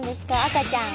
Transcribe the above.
赤ちゃん。